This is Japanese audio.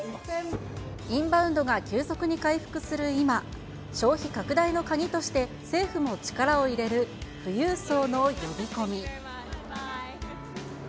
インバウンドが急速に回復する今、消費拡大の鍵として、政府も力を入れる富裕層の呼び込み。